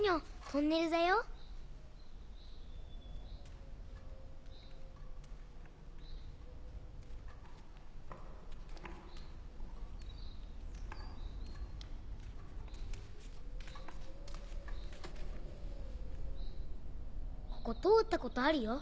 ここ通ったことあるよ。